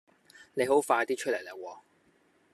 你好快啲出嚟啦喎